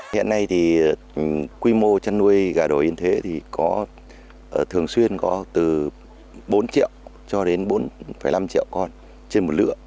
hiện nay thì quy mô chăn nuôi gà đồ yên thế thì có thường xuyên có từ bốn triệu cho đến bốn năm triệu con trên một lứa